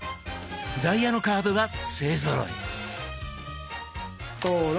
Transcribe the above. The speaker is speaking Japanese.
ダイヤのカードが勢ぞろい！